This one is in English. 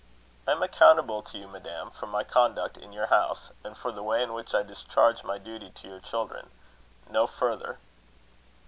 "I am accountable to you, madam, for my conduct in your house, and for the way in which I discharge my duty to your children no further."